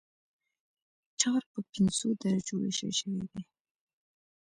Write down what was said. ټار په پنځو درجو ویشل شوی دی